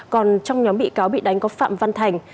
còn trong nhóm bị cáo bị đánh có phạm văn thành